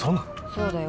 そうだよ